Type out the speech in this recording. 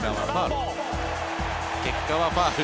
結果はファウル。